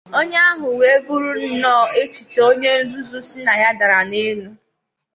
Nke ahụ wee bụrụnnọọ echiche onye nzuzu sị na ya dara n'elu